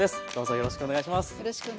よろしくお願いします。